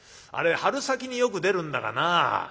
あれ春先によく出るんだがな。